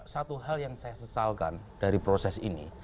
satu hal yang saya sesalkan dari proses ini